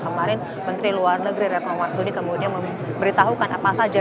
kemarin menteri luar negeri retno marsudi kemudian memberitahukan apa saja